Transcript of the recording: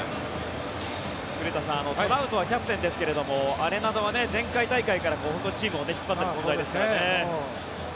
古田さんトラウトはキャプテンですけれどアレナドは前回大会からチームを引っ張っている存在ですからね。